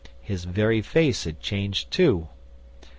His very face had changed too.